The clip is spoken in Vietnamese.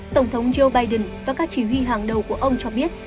tổng thống joe biden và các chỉ huy hàng đầu của ông cho biết